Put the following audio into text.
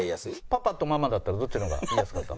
パパとママだったらどっちの方が言いやすかった？